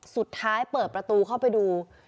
สุดท้ายเปิดประตูเข้าไปดู